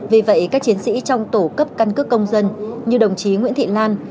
vì vậy các chiến sĩ trong tổ cấp căn cước công dân như đồng chí nguyễn thị lan